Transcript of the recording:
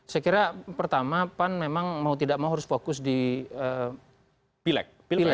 saya kira pertama pan memang mau tidak mau harus fokus di pileg